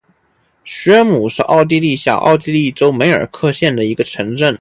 许尔姆是奥地利下奥地利州梅尔克县的一个市镇。